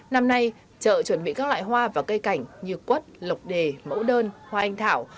năm nay chợ chuẩn bị các loại hoa và cây cảnh như quất lộc đề mẫu đơn hoa anh thảo